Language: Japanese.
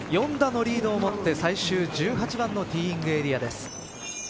４打のリードを持って最終１８番のティーイングエリアです。